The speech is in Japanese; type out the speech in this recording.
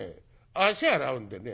足洗うんでね